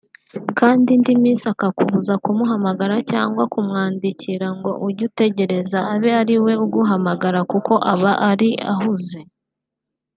Kandi indi minsi akakubuza kumuhamagara cyangwa kumwandikira ngo ujye utegereza abe ariwe uguhamagara kuko aba ari ahuze “Busy”